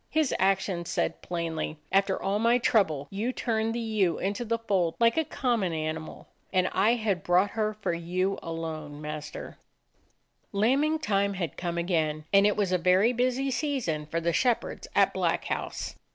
His actions said plainly: "After all my trouble, you turn the ewe into the fold like a common animal; and I had brought her for you alone, master." 84 A DOG OF THE ETTRICK HILLS Lambing time had come again, and it was a very busy season for the shepherds at Black House.